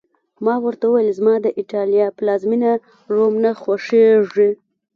ما ورته وویل: زما د ایټالیا پلازمېنه، روم نه خوښېږي.